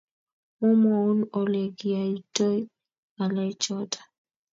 Momwoun Ole kiyoitoi ngalechoto